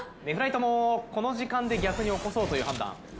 ネフライトもこの時間で逆に起こそうという判断。